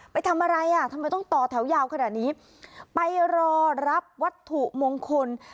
ไปทำอะไรอ่ะทำไมต้องต่อแถวยาวขนาดนี้ไปรอรับวัตถุมงคล